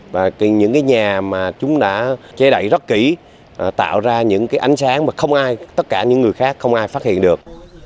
và những cái nhà mà chúng đã che đậy rất kỹ tạo ra những cái ánh sáng mà không ai tất cả những người khác không ai phát hiện được